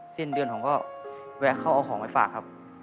สิ้นเดือนผมก็แวะเข้าเอาของไปฝากครับ